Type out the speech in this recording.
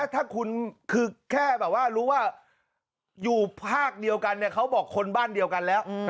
ถ้าคุณคือแค่แบบว่ารู้ว่าอยู่ภาคเดียวกันเขาบอกคนบ้านเดียวกันแล้ว